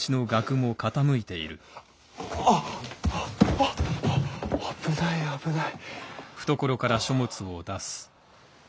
あっ危ない危ない。